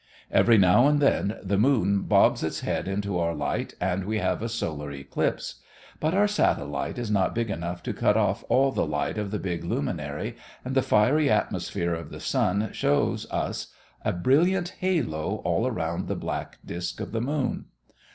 Every now and then the moon bobs its head into our light and we have a solar eclipse. But our satellite is not big enough to cut off all the light of the big luminary and the fiery atmosphere of the sun shows us a brilliant halo all around the black disk of the moon.